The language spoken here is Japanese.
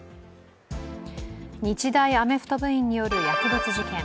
日大アメフト部員による薬物事件。